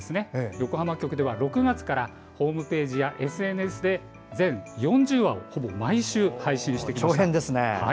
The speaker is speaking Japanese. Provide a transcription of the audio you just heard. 横浜局では６月からホームページやＳＮＳで全４０話をほぼ毎週配信してきました。